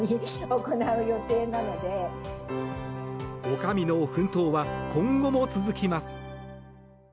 女将の奮闘は今後も続きます。